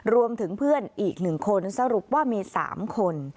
รวมถึงเพื่อนอีกหนึ่งคนสรุปว่ามีสามคน